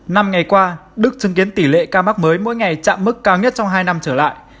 năm ngày qua đức chứng kiến tỷ lệ ca mắc mới mỗi ngày chạm mức cao nhất trong hai năm trở lại